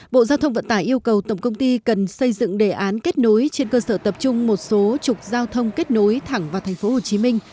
bộ giao thông vận tải yêu cầu tổng công ty cần xây dựng đề án kết nối trên cơ sở tập trung một số trục giao thông kết nối thẳng vào thành phố hồ chí minh